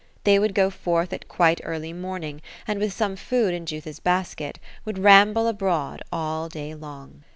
They would go forth at quite early morning, and with some food in Jutha's basket, would ramble abroad all day long.